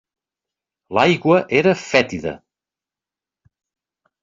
L'aigua era fètida.